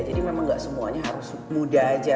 memang gak semuanya harus muda aja